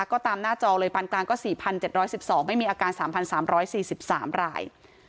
ก็ตามหน้าจอเลยปานกลางก็๔๗๑๒ไม่มีอาการ๓๓๔๓ราย